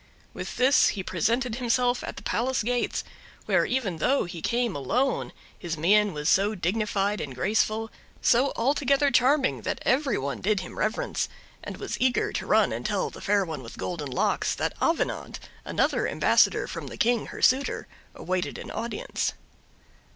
With this he presented himself at the palace gates, where even though he came alone, his mien was so dignified and graceful, so altogether charming, that every one did him reverence, and was eager to run and tell the Fair One with Golden Locks, that Avenant, another ambassador from the King, her suitor, awaited an audience.